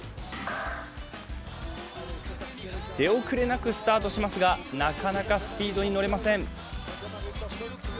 出遅れなくスタートしますが、なかなかスピードに乗れません。